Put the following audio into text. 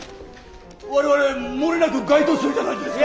我々もれなく該当するじゃないですか。